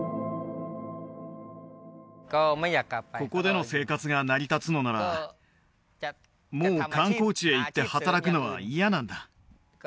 ここでの生活が成り立つのならもう観光地へ行って働くのは嫌なんだ